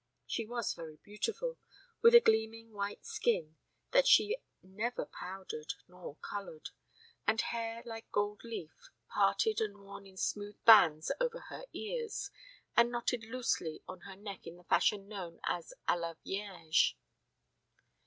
She was very beautiful, with a gleaming white skin that she never powdered nor colored, and hair like gold leaf, parted and worn in smooth bands over her ears and knotted loosely on her neck in the fashion known as à la vierge.